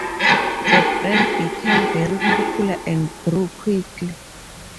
The brand became very popular and grew quickly.